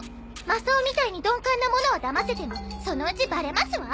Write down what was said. マサオみたいに鈍感な者はだませてもそのうちバレますわ。